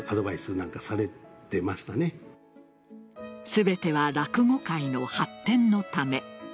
全ては落語界の発展のため。